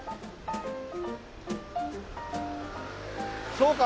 そうか。